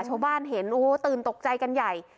ช่วงบ้านเห็นตื่นตกใจกันใหญ่